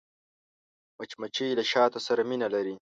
مچمچۍ له شاتو سره مینه لري